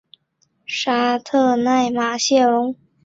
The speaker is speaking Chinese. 沙特奈马谢龙。